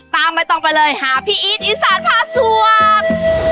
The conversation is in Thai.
ตามไม่ต้องไปเลยหาพี่อีดอีสารผ้าสวบ